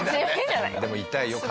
でも痛いよ角。